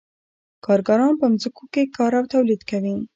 کارګران په ځمکو کې کار او تولید کوي